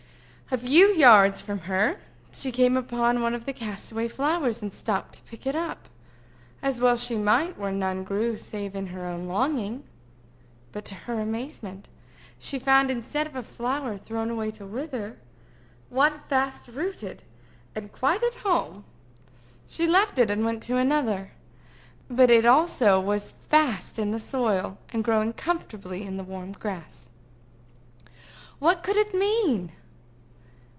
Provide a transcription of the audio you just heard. A few yards from her, she came upon one of her cast away flowers and stooped to pick it up, as well she might where none grew save in her own longing. But to her amazement she found, instead of a flower thrown away to wither, one fast rooted and quite at home. She left it, and went to another; but it also was fast in the soil, and growing comfortably in the warm grass. What could it mean?